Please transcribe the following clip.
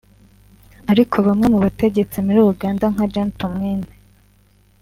ariko bamwe mu bategetsi muri Uganda nka Gen Tumwine